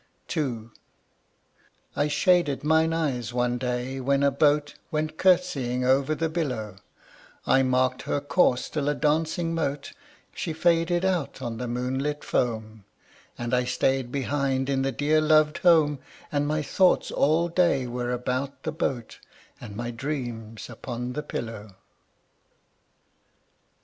II. I shaded mine eyes one day when a boat Went curtseying over the billow, I marked her course till a dancing mote She faded out on the moonlit foam, And I stayed behind in the dear loved home; And my thoughts all day were about the boat, And my dreams upon the pillow.